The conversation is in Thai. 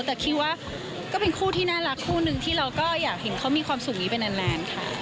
แต่คิดว่าก็เป็นคู่ที่น่ารักคู่หนึ่งที่เราก็อยากเห็นเขามีความสุขนี้ไปนานค่ะ